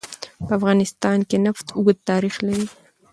په افغانستان کې د نفت تاریخ اوږد دی.